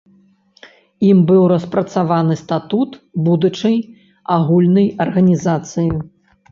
Ім быў распрацаваны статут будучай агульнай арганізацыі.